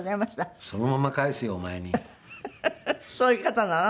そういう方なの？